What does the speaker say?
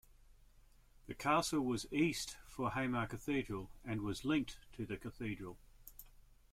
The castle was east for Hamar Cathedral, and was linked to the cathedral.